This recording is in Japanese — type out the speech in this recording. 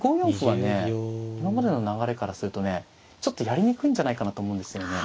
今までの流れからするとねちょっとやりにくいんじゃないかなと思うんですよね。